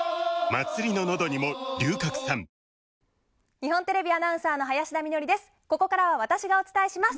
日本テレビアナウンサーの林田美学です。